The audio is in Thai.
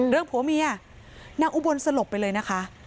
ผัวเมียนางอุบลสลบไปเลยนะคะ